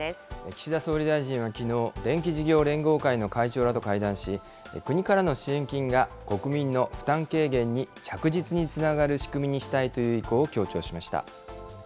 岸田総理大臣はきのう、電気事業連合会の会長らと会談し、国からの支援金が国民の負担軽減に着実につながる仕組みにしたいという意向を強調しました。